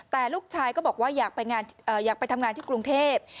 แต่ลูกชายก็บอกว่าอยากไปทำงานที่กรุงเทพ